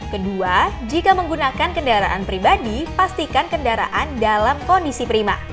kedua jika menggunakan kendaraan pribadi pastikan kendaraan dalam kondisi prima